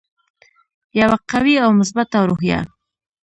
یوه قوي او مثبته روحیه.